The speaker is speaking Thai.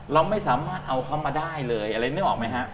เราไม่สามารถเอาเขามาได้เลยอะไรนึกออกไหมฮะ